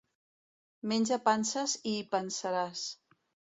Menja panses i hi pensaràs.